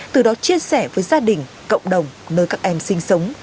từ đó chia sẻ với gia đình cộng đồng nơi các em sinh sống